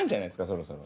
そろそろ。